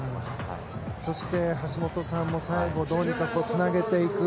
そして橋本さん最後どうにかつなげていく。